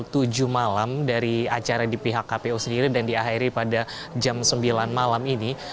pukul tujuh malam dari acara di pihak kpu sendiri dan diakhiri pada jam sembilan malam ini